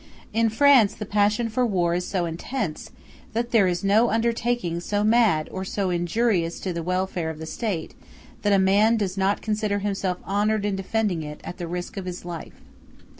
In France the passion for war is so intense that there is no undertaking so mad, or so injurious to the welfare of the State, that a man does not consider himself honored in defending it, at the risk of his life.